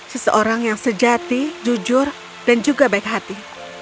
seseorang yang sejati jujur dan juga baik hati